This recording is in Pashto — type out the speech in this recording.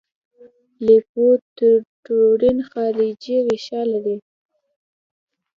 لیپوپروټین او خارجي غشا لري.